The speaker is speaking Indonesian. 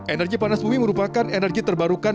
energi panas bumi merupakan energi terbarukan